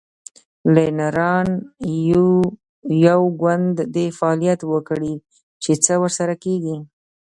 که نران یو، یو ګوند دې فعالیت وکړي؟ چې څه ورسره کیږي